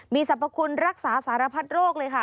มีสรรพคุณรักษาสารพัดโรคเลยค่ะ